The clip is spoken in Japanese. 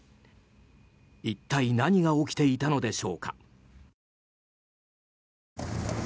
一体何が起きていたのでしょうか。